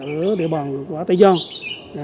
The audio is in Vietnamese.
ở địa bàn của tây giang